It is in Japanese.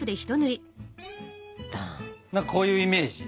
まっこういうイメージ。